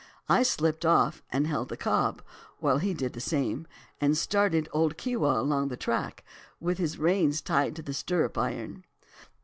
I slipped off, and held the cob, while he did the same, and started old Keewah along the track, with the reins tied to the stirrup iron.